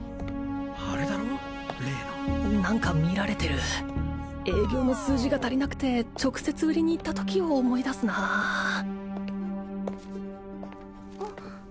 あれだろ例の何か見られてる営業の数字が足りなくて直接売りに行ったときを思い出すなあ